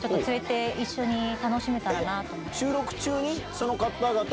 一緒に楽しめたらなと思って。